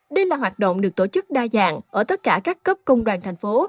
đây là hoạt động được tổ chức đa dạng ở tất cả các cấp công đoàn thành phố